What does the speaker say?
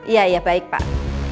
iya iya baik pak